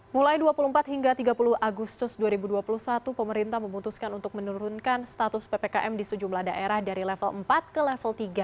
mulai dua puluh empat hingga tiga puluh agustus dua ribu dua puluh satu pemerintah memutuskan untuk menurunkan status ppkm di sejumlah daerah dari level empat ke level tiga